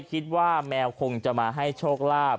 คิดว่าแมวคงจะมาให้โชคลาภ